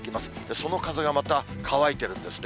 その風がまた乾いてるんですね。